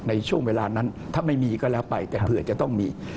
ในช่วงเวลานั้นถ้าไม่มีก็แล้วไปแต่เผื่อจะต้องมี